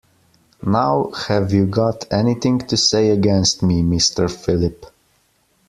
Now have you got anything to say against me, Mr Philip.